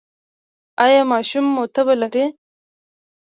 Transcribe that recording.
ایا ماشوم مو تبه لري؟